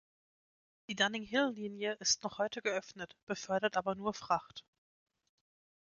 Die Dudding-Hill-Linie ist noch heute geöffnet, befördert aber nur Fracht.